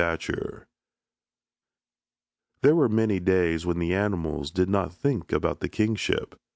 STAFFORD There were many days when the animals did not think about the kingship.